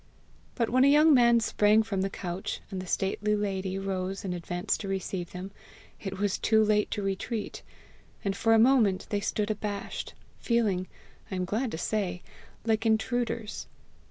But when a young man sprang from a couch, and the stately lady rose and advanced to receive them, it was too late to retreat, and for a moment they stood abashed, feeling, I am glad to say, like intruders.